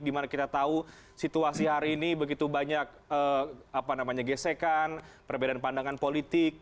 di mana kita tahu situasi hari ini begitu banyak apa namanya gesekan perbedaan pandangan politik